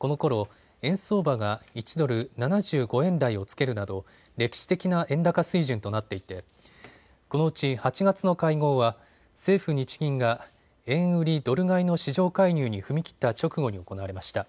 このころ、円相場が１ドル７５円台をつけるなど歴史的な円高水準となっていてこのうち８月の会合は政府・日銀が円売りドル買いの市場介入に踏み切った直後に行われました。